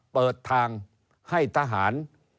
เปิดทางให้ทหาร